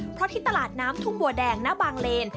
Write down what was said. เพราะที่ตลาดน้ำทุ่งบัวแดงณบางเลน